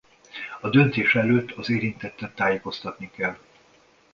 A döntés előtt az érintettet tájékoztatni kell.